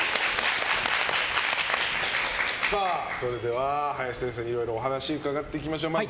それでは、林先生にいろいろお話伺っていきましょう。